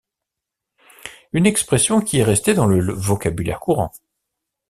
Une expression qui est restée dans le vocabulaire courant.